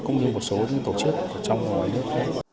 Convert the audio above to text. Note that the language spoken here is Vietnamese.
cũng như một số tổ chức trong mọi nước